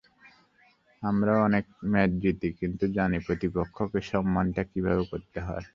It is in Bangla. আমরাও অনেক ম্যাচ জিতি, কিন্তু জানি প্রতিপক্ষকে সম্মানটা কীভাবে করতে হয়।